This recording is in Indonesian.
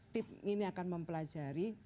tim ini akan mempelajari